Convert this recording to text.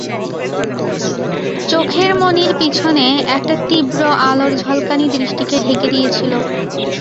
চোখের মণির পিছনে একটা তীব্র আলোর ঝলকানি দৃষ্টিকে ঢেকে দিয়েছিল।